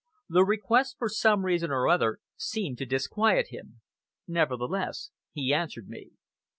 The request, for some reason or other, seemed to disquiet him. Nevertheless, he answered me.